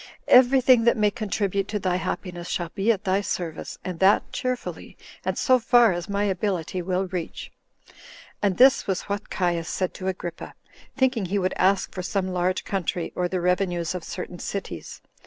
Everything that may contribute to thy happiness shall be at thy service, and that cheerfully, and so far as my ability will reach." 34 And this was what Caius said to Agrippa, thinking he would ask for some large country, or the revenues of certain cities.